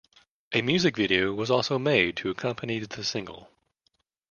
A music video was also made to accompany the single.